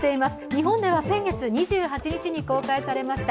日本では先月２８日に公開されました。